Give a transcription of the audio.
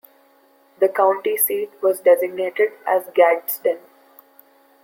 The county seat was designated as Gadsden.